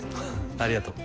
ありがとう。